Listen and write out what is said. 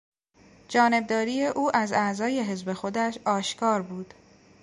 جانبداری او از اعضای حزب خودش آشکار بود.